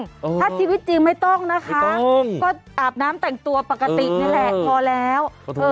ถ้าชีวิตจริงไม่ต้องนะคะก็อาบน้ำแต่งตัวปกตินี่แหละพอแล้ว